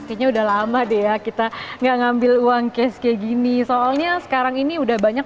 kayaknya udah lama deh ya kita enggak ngambil uang cash kayak gini soalnya sekarang ini udah banyak